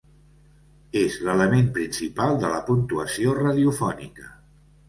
És l'element principal de la puntuació radiofònica.